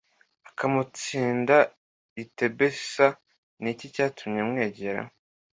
akamutsinda i Tebesa Ni iki cyatumye mwegera